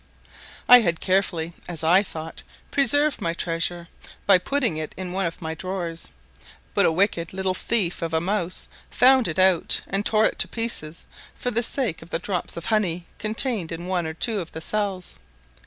I had carefully, as I thought, preserved my treasure, by putting it in one of my drawers, but a wicked little thief of a mouse found it out and tore it to pieces for the sake of the drops of honey contained in one or two of the cells.